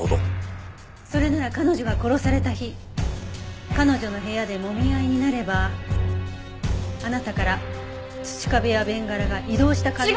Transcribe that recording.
それなら彼女が殺された日彼女の部屋でもみ合いになればあなたから土壁やベンガラが移動した可能性も。